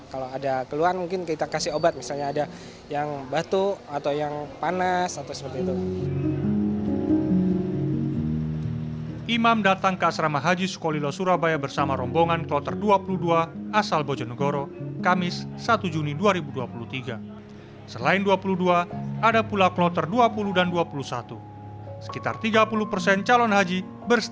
kalau ada keluhan mungkin kita kasih obat misalnya ada yang batuk atau yang panas